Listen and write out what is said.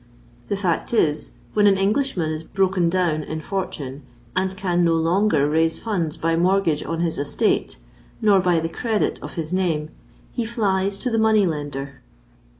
The fact is, when an Englishman is broken down in fortune, and can no longer raise funds by mortgage on his estate, nor by the credit of his name, he flies to the money lender.